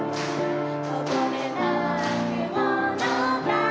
「ここで泣くものか」